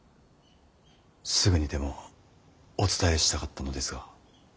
すぐにでもお伝えしたかったのですが。